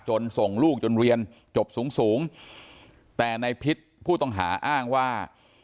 ส่งลูกจนเรียนจบสูงสูงแต่ในพิษผู้ต้องหาอ้างว่า